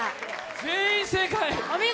全員正解。